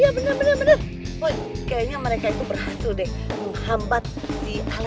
yaudah kalau gitu gue mau jemput stella